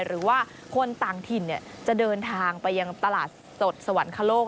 หรือว่าคนต่างถิ่นจะเดินทางไปยังตลาดสดสวรรคโลก